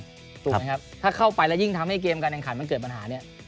ถูกไหมครับถ้าเข้าไปแล้วยิ่งทำให้เกมการแข่งขันมันเกิดปัญหาเนี่ย